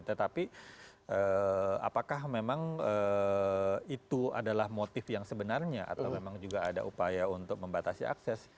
tetapi apakah memang itu adalah motif yang sebenarnya atau memang juga ada upaya untuk membatasi akses